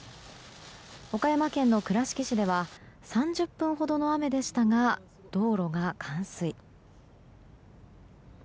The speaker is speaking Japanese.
岡山県の倉敷市では３０分ほどの雨でしたが道路が冠水。